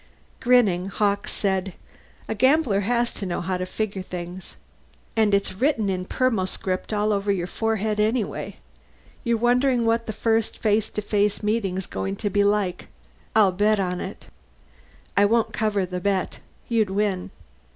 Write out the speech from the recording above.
Grinning, Hawkes said, "A gambler has to know how to figure things. And it's written in permoscript all over your forehead anyway. You're wondering what the first face to face meeting's going to be like. I'll bet on it." "I won't cover the bet. You'd win."